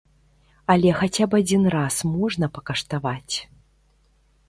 Але хаця б адзін раз можна пакаштаваць.